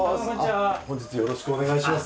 本日よろしくお願いします。